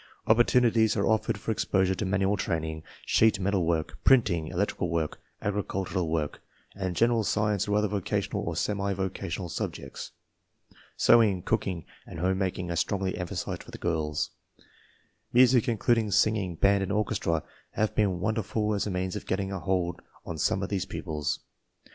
Opportunities are offered for exposure to manual train ing, sheet metal work, printing, electrical work, agri j cultural work, and general science or other vocational or semi vocational subjects. Sewing, cooking, and home \ making are strongly emphasized for the girls. Music, \ including singing, band, and orchestra, has been won j derful as a means of getting a hold on some of these pupils.